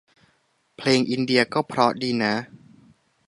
เพลงอินเดียก็เพราะดีนะ